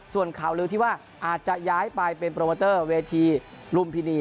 ส่วนข่าวลือที่ว่าอาจจะย้ายไปเป็นโปรโมเตอร์เวทีลุมพินี